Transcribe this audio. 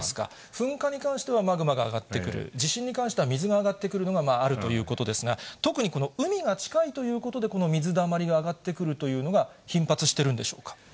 噴火に関してはマグマが上がってくる、地震に関しては水が上がってくるのがあるということですが、特にこの海が近いということで、この水だまりが上がってくるというのが頻発してるんでしょうか。